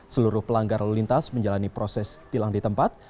seluruh pelanggar lalu lintas menjalani proses tilang di tempat